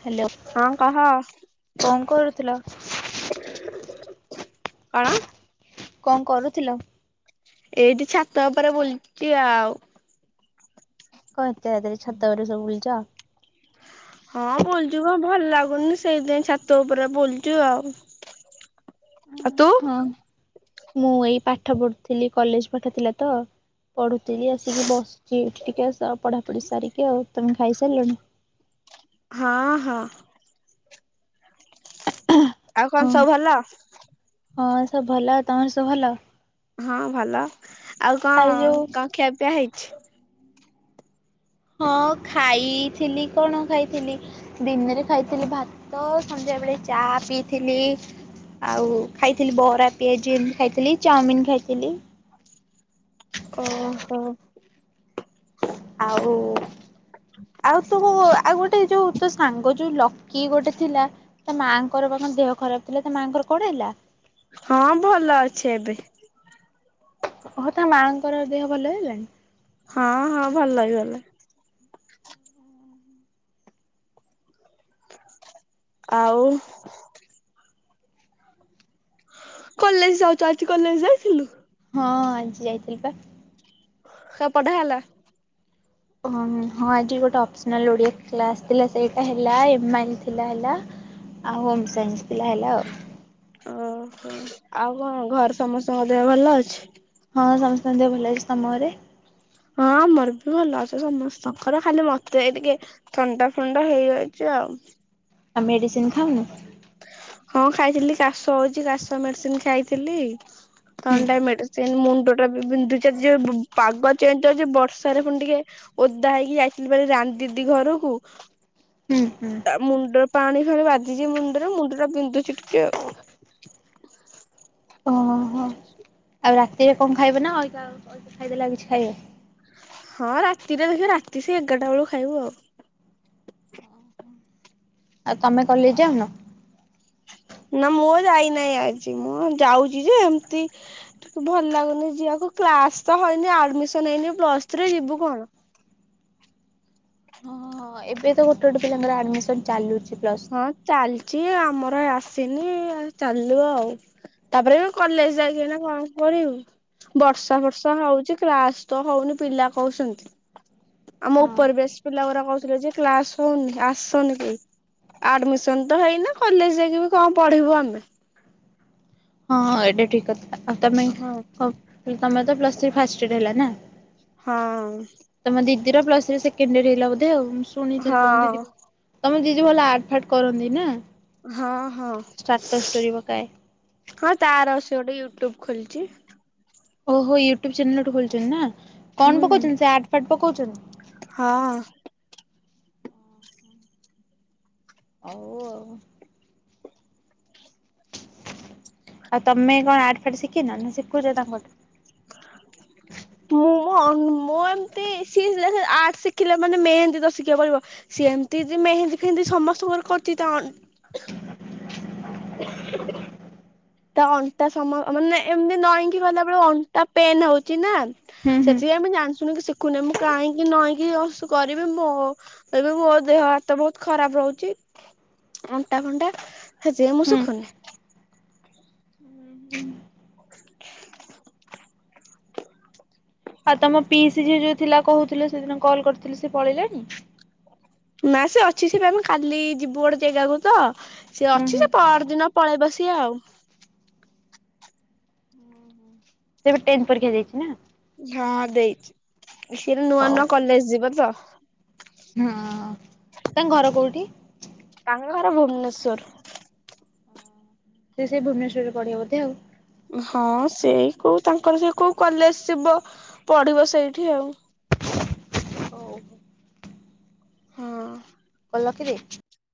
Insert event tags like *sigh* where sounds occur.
Hello ହଁ କହ କଣ କରୁଥିଲ କଣ? କଣ କରୁଥିଲ? ଏଇଠି ଛାତ ଉପରେ ବୁଲୁଛି ଆଉ। କଣ ଏତେ ରାତିରେ ଛାତ ଉପରେ ସବୁ ବୁଲୁଛ? ହଁ ବୁଲୁଛୁ ବା ଭଲ ଲାଗୁନି ସେଇଥିପାଇ ଛାତ ଉପରେ ବୁଲୁଛୁ ଆଉ। ଆଉ ତୁ? ହଁ। ମୁଁ ଏଇ ପାଠ ପଢୁଥିଲି କଲେଜ ପାଠ ଥିଲା ତ ପଢୁଥିଲି ଆସିକି ବସିଛି। ଟିକେ ସ ପଢାପଢି ସାରିକି ଆଉ ତମେ ଖାଇସାରିଲଣି? ହଁ ହଁ ଆଉ ହଁ। କଣ ସବୁ ଭଲ? ହଁ ସବୁ ଭଲ, ତମର ସବୁ ଭଲ। ହଁ ଭଲ ଆଉ କଣ କଣ ଖିଆପିଆ ହେଇଛି? ହଁ ଖାଇଥିଲି କଣ ଖାଇଥିଲି ଦିନରେ ଖାଇଥିଲି ଭାତ ସନ୍ଧ୍ୟାବେଳେ ଚା ପିଇଥିଲି। ଆଉ ଖାଇଥିଲି ବରା, ପିଆଜି ଖାଇଥିଲି, ଚାଉମିିନ ଖାଇଥିଲି। ଓହୋ ଆଉ ଆଉ ତୁ ଆଉ ଗୋଟେ ଯୋଉ ତୋ ସାଙ୍ଗ ଯୋଉ ଲକି ଗୋଟେ ଥିଲା? ତା ମାଆଙ୍କର କଣ ଦେହ ଖରାପ୍ ଥିଲା ତା ମାଆଙ୍କର କଣ ହେଲା? ହଁ ଭଲ ଅଛି ଏବେ। ଓହୋ ତା ମାଆଙ୍କର ଦେହ ଭଲ ହେଇଗଲାଣି? ହଁ ହଁ ଭଲ ହେଇଗଲା। ଆଉ କଲେଜ୍ ଯାଉଛ ଆଜି କଲେଜ୍ ଯାଇଥିଲୁ? ହଁ ଆଜି ଯାଇଥିଲି ପା। ସବୁ ପଢା ହେଲା? ହଁ ଆଜି ଗୋଟେ ଅପ୍ସିନାଲ୍ ଓଡିଆ କ୍ଲାସ୍ ଥିଲା ସେଇଟା ହେଲା ଏମ ଆଇ ଏଲ୍ ଥିଲା ହେଲା ଆଉ ହୋମ୍ ସାଇନ୍ସ ଥିଲା ହେଲା ଆଉ। ଓହୋ ଆଉ କଣ ଘର ସମସ୍ତଙ୍କ ଦେହ ଭଲ ଅଛି? ହଁ ସମସ୍ତଙ୍କ ଦେହ ଭଲ ଅଛି ତମ ଘରେ? ହଁ ଆମର ବି ଭଲ ଅଛି ସମସ୍ତଙ୍କର ଖାଲି ମତେ ଟିକେ ଥଣ୍ଡା ଫଣ୍ଡା ହେଇଯାଇଛି ଆଉ ଆଉ ମେଡିସିନ୍ ଖାଉନୁ? ହଁ ଖାଇଥିଲି କାଶ ହଉଛି କାଶ ମେଡିସିନ୍ ଖାଇଥିଲି ହୁଁ ଥଣ୍ଡା ମେଡିସିନ୍ ସେମିତି ମୁଣ୍ଡଟାବି ବିନ୍ଧୁଛି ଆଜି ଜୋରେ ପାଗ ଚେଞ୍ଜ ହଉଛି ବର୍ଷାରେ ପୁଣି ଟିକେ ଓଦା ହେଇକି ଯାଇଥିଲି ଭାରି ରାନୀ ଦିଦି ଘରକୁ ହୁଁ ହୁଁ। ତା ମୁଣ୍ଡ ପାଣି ଫାଣି ବାଜିଛି ମୁଣ୍ଡରେ ମୁଣ୍ଡଟା ବିନ୍ଧୁଛି ଟିକେ ଆଉ ଓହୋ। ଆଉ ରାତିରେ କଣ ଖାଇବ ନା ଏଇକା ଖାଇଦେଲେ କିଛି ଖାଇବେନି? ହଁ ରାତିରେ ଦେଖିବା ରାତି ସେ ଏଗାରଟା ବେଳକୁ ଖାଇବୁ ଆଉ ଆଉ ତମେ କଲେଜ୍ ଯାଉନ? ନା ମୁଁ ଯାଇନାହିଁ ଆଜି ମୁଁ ଯାଉଛି ଯେ ଏମିତି ଭଲ ଲାଗୁନି ଯିବାକୁ କ୍ଲାସ୍ ତ ହଇନି ଆଡମିଶନ୍ ହେଇନି ପ୍ଲସ ଥ୍ରୀ ଯିବୁ କଣ? ହଁ ଏବେ ତ ଗୋଟେ ଗୋଟେ ପିଲାଙ୍କର ଆଡମିଶନ୍ ଚାଲୁଛି ପ୍ଲସ୍ ହଁ ଥ୍ରୀ। ଚାଲିଛି ଆମର ଆସିନି ଆ ଚାଲୁ ଆଉ ତାପରେ ଏନୁ କଲେଜ୍ ଯାଇକିନା କଣ କରିବୁ? ବର୍ଷା ଫର୍ଷା ହଉଛି କ୍ଲାସ୍ ତ ହଉନି ପିଲା କହୁଛନ୍ତି? ଆମ ହଁ ଉପର ବ୍ୟାଚ୍ ପିଲାଗୁରା କହୁଥିଲେ ଯେ କ୍ଲାସ୍ ହଉନି ଆସନି କେହି? ଆଡମିଶନ୍ ତ ହେଇନେ କଲେଜ୍ ଯାଇକି କଣ ପଢିବୁ ଆମେ? ହଁଁ ଏଇଟା ଠିକ୍ କଥା ଆଉ ତମେ ହଁ ହ ତମେ ତ ପ୍ଲସ୍ ଥ୍ରି ଫାଷ୍ଟ ଇଅର୍ ହେଲା ନା? ହଁ। ତମ ଦିଦିର ପ୍ଲସ୍ ଥ୍ରି ସେକେଣ୍ଡ ଇଅର୍ ହେଲା ବୋଧେ ଆଉ ଶୁଣିଥିଲି ତ ତମ ଦିଦି ହଁ ତମ ଦିଦି ଭଲ ଆର୍ଟ ଫାର୍ଟ କରନ୍ତି ନା ହଁ ହଁ ଷ୍ଟାଟସ୍ ଷ୍ଟୋରୀ ପକାଏ। ହଁ ତାର ସେ ଗୋଟେ ୟୁଟ୍ୟୁବ ଖୋଲିଛି। ଓହୋ ୟୁଟ୍ୟୁବ ଚ୍ୟାନେଲ୍ ଗୋଟେ ଖୋଲିଛନ୍ତି ନା ହୁଁ କଣ ପକଉଛନ୍ତି ସେ ଆର୍ଟ ଫାର୍ଟ ପକଉଛନ୍ତି? ହଁ। ହଉ ଆଉ ଆଉ ତମେ କଣ ଆର୍ଟ ଫାର୍ଟ ଶିଖିନ ନା ଶିଖୁଛ ତାଙ୍କଠୁ? *inaudible* ମୁଁ ମୁଁ ଅ ମୁଁ ଏମିତିି ଶିକ୍-ଇ ଆର୍ଟ ଶିଖିଲା ମାନେ ମେହେନ୍ଦି ତ ଶିଖିବାକୁ ପଡିବ? ସେମିତି ଦି ମେହେନ୍ଦି ଫେହେନ୍ଦି ସମସ୍ତଙ୍କର କରୁଛି ତ। *inaudible* *unintelligible* ତଅ ଅଣ୍ଟା ସମ ମାନେ ଏମିତି ନଈକି ଗଲାବେଳେ ଅଣ୍ଟା ପେନ୍ ହଉଛି ନା ହୁଁ ହୁଁ ସେଥିପାଇଁ ମୁ ଜାଣିଶୁଣିକି ଶିଖୁନି ମୁଁ କାହିଁକି ନଈଁକି କରିବି ମୁଁ ଏବେ ମୋ ଦେହ ହାତ ବହୁତ୍ ଖରାପ୍ ରହୁଛି। ଅଣ୍ଟା ଫଣ୍ଟା ସେଯୋଗୁ ମୁଁ ହୁଁ ସିଖୁନି। ଆଉ ତମ ପିଇସି ଝିଅ ଯୋଉ ଥିଲା କହୁଥିଲେ ସେଦିନ କଲ୍ କରିଥିଲି ସେ ପଳେଇଲାଣି? ନା ସେ ଅଛି ସେ ଆମେ କାଲି ଯିବୁ ଗୋଟେ ଜାଗାକୁ ତ ସିଏ ହୁଁ ଅଛି ହୁଁ ସେ ପଅରଦିନ ପଳେଇବ ସିଏ ଆଉ ସେ ଏବେ ଟେନ୍ ପରୀକ୍ଷା ଦେଇଛି ନା? ହଁ ଦେଇଛି ସେ ନୂଆ ହଉ। ନୂଆ କଲେଜ ଯିବ ତ ହଁ ତାଙ୍କ ଘର କୋଉଠି? ତାଙ୍କ ଘର ଭୁବନେଶ୍ୱର। ସିଏ ସେଇ ଭୁବନେଶ୍ୱରରେ ପଢିବ ବଧେ ଆଉ ହଁ ସେଇ କୋଉ ତାଙ୍କର ସେ କୋଉ କଲେଜ ଥିବ ପଢିବ ସେଇଠି ଆଉ ହଉ। ହଁ। ରଖି ଦେ।